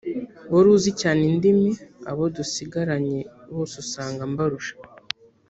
wari uzi cyane indimi abo dusigaranye bose usanga mbarusha